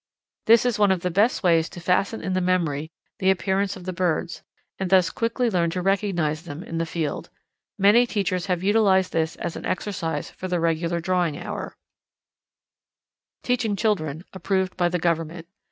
This is one of the best ways to fasten in the memory the appearance of the birds, and thus quickly learn to recognize them in the field. Many teachers have utilized this as an exercise for the regular drawing hour. [Illustration: Colouring of Birds upon Outline Drawings] _Teaching Children Approved by the Government.